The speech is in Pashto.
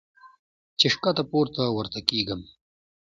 چې ښکته پورته ورته کېږم -